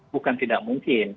bukan tidak mungkin